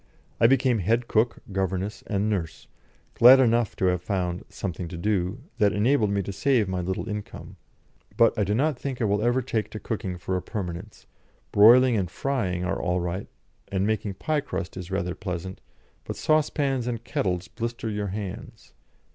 I became head cook, governess, and nurse, glad enough to have found "something to do" that enabled me to save my little income. But I do not think I will ever take to cooking for a permanence; broiling and frying are all right, and making pie crust is rather pleasant; but saucepans and kettles blister your hands.